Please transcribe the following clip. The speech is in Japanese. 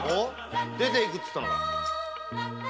出ていくって言ったのか？